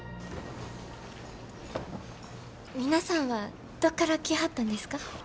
皆さんはどっから来はったんですか？